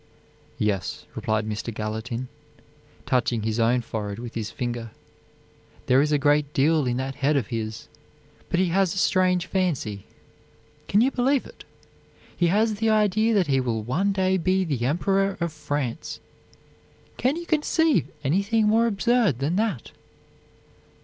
"Yes," replied Mr. Gallatin, touching his own forehead with his finger, "there is a great deal in that head of his: but he has a strange fancy. Can you believe it? He has the idea that he will one day be the Emperor of France. Can you conceive anything more absurd than that?"